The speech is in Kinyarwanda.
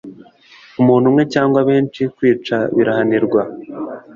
umuntu umwe cyangwa benshi kwica birahanirwa